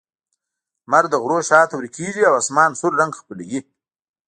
لمر د غرونو شا ته ورکېږي او آسمان سور رنګ خپلوي.